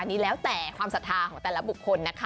อันนี้แล้วแต่ความศรัทธาของแต่ละบุคคลนะคะ